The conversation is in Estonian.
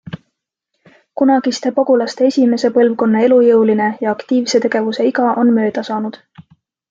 Kunagiste pagulaste esimese põlvkonna elujõuline ja aktiivse tegevuse iga on mööda saanud.